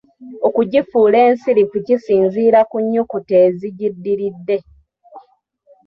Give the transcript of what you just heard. Okugifuula ensirifu kisinziira ku nnyukuta egiddiridde.